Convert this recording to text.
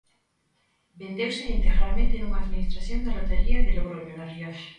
Vendeuse integramente nunha administración de lotaría de Logroño, na Rioxa.